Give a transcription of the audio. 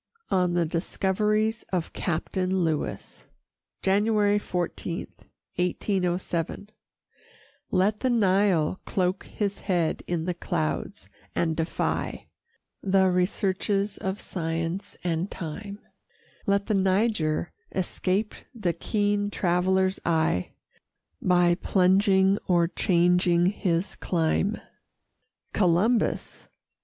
ON THE DISCOVERIES OF CAPTAIN LEWIS [January 14, 1807] Let the Nile cloak his head in the clouds, and defy The researches of science and time; Let the Niger escape the keen traveller's eye, By plunging or changing his clime. Columbus!